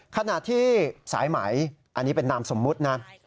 ขณะที่สายไหมอันนี้เป็นนามสมมุตินะ